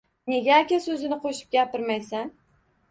Nega aka so`zini qo`shib gapirmayapsan